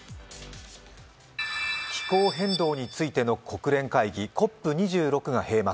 気候変動についての国連会議、ＣＯＰ２６が閉幕。